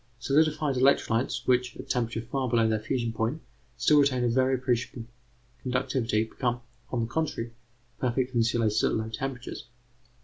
Solidified electrolytes which, at temperatures far below their fusion point, still retain a very appreciable conductivity, become, on the contrary, perfect insulators at low temperatures.